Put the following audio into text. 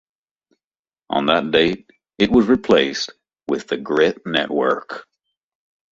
On that date, it was replaced with the Grit network.